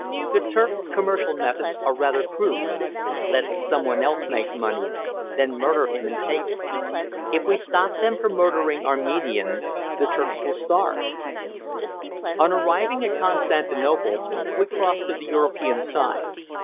The Turks' commercial methods are rather crude: "Let some one else make money, then murder him and take it." If we stop them from murdering Armenians, the Turks will starve. On arriving at Constantinople we crossed to the European side.